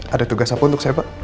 ada tugas apa untuk saya pak